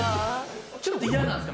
ちょっと嫌なんすか？